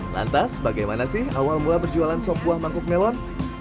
lantas bagaimana sih awal mula berjualan sop buah mangkuk melon